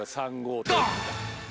ドン！